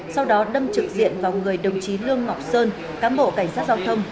sau đó đâm trực diện vào người đồng chí lương ngọc sơn cám bộ cảnh sát giao thông